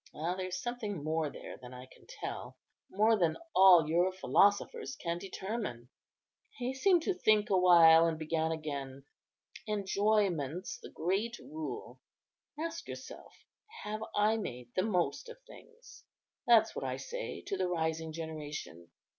Ah! there's something more there than I can tell; more than all your philosophers can determine." He seemed to think awhile, and began again: "Enjoyment's the great rule; ask yourself, 'Have I made the most of things?' that's what I say to the rising generation.